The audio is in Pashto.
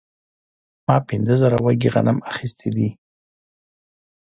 ما پنځه زره وږي غنم اخیستي دي